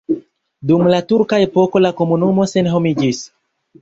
Dum la turka epoko la komunumo senhomiĝis.